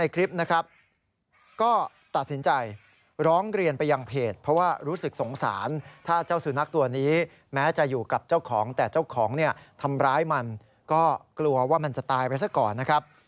ก็กลัวว่ามันจะตายไปสะก่อนนะครับ